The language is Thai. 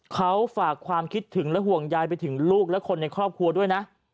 เขาฝากความคิดถึงและห่วงยายไปถึงลูกและคนในครอบครัวด้วยนะ